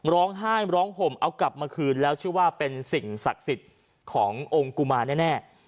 ร้องไห้ร้องห่มเอากลับมาคืนแล้วชื่อว่าเป็นสิ่งศักดิ์สิทธิ์ขององค์กุมารแน่